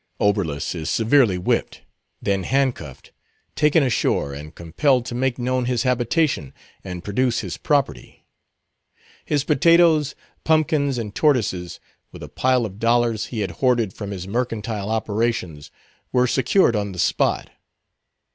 Oberlus is severely whipped, then handcuffed, taken ashore, and compelled to make known his habitation and produce his property. His potatoes, pumpkins, and tortoises, with a pile of dollars he had hoarded from his mercantile operations were secured on the spot.